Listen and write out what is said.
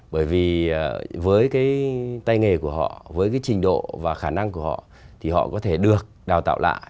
bởi vì với cái tay nghề của họ với cái trình độ và khả năng của họ thì họ có thể được đào tạo lại